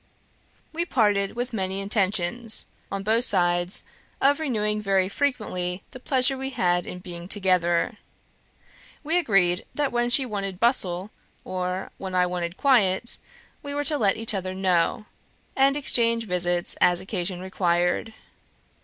We parted with many intentions, on both sides, of renewing very frequently the pleasure we had had in being together. We agreed that when she wanted bustle, or when I wanted quiet, we were to let each other know, and exchange visits as occasion required.